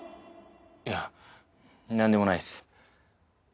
いやなんでもないっす。